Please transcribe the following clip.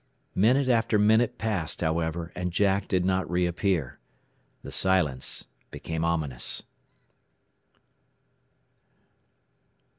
Minute after minute passed, however, and Jack did not reappear. The silence became ominous.